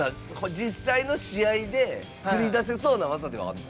実際の試合で繰り出せそうな技ではあんの？